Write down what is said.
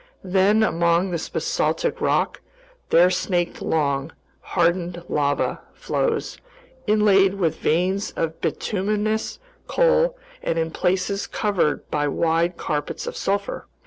Then, among this basaltic rock, there snaked long, hardened lava flows inlaid with veins of bituminous coal and in places covered by wide carpets of sulfur.